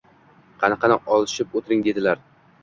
Qani, qani, olishib o’tiring – dedilar.”